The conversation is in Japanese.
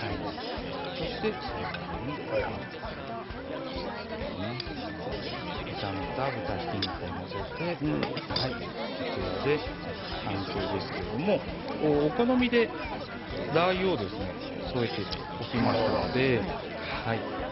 そして最後に炒めた豚ひき肉を載せてこちらで完成ですけれどもお好みでラーユをですね添えておきましたので。